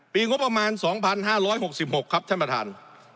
ปีงบประมาณ๒๕๖๖ครับท่านประธาน